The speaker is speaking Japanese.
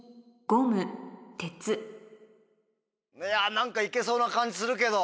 何か行けそうな感じするけど。